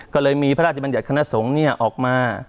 ก็เลยมีพระราชบัญญัติคณะสงฆ์ออกมา